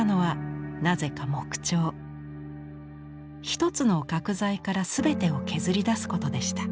一つの角材から全てを削り出すことでした。